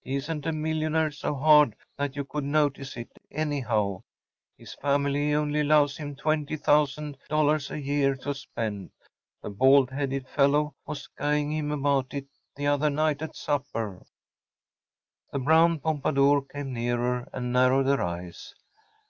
He isn’t a millionaire so hard that you could notice it, anyhow. His family only allows him $20,000 a year to spend. The bald headed fellow was guying him about it the other night at supper.‚ÄĚ The brown pompadour came nearer and narrowed her eyes.